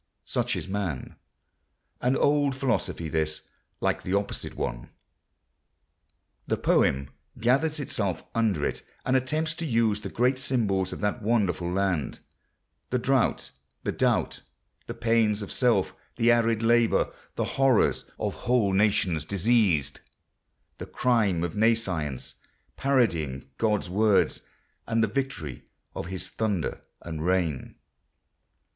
Such is man. ... An old philosophy this—like the opposite one. The poem gathers itself under it and attempts to use the great symbols of that wonderful Land, the drought, the doubt, the pains of self, the arid labour, the horrors of whole nations diseased, the crime of Nescience, parodying God's words, and the victory of His thunder and rain.